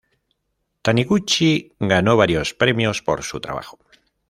Taniguchi ganó varios premios por su trabajo.